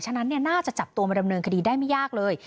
ฉะนั้นน่าจะจับตัวมาดำเนินคดีได้ไม่ยากเลย